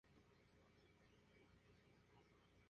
Pierde el control y lentamente se convierte de nuevo en un cadáver.